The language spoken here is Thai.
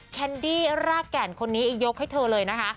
แคนดี้รากแก่นคนนี้ยกให้เธอเลยนะคะ